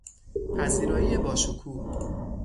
پذیرایی با شکوه